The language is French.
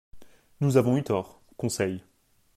—Nous avons eu tort, Conseil.